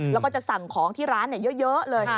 แล้วก็จะสั่งของที่ร้านเยอะเลย